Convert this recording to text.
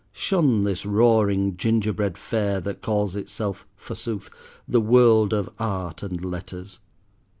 Shun this roaring gingerbread fair that calls itself, forsooth, the 'World of art and letters.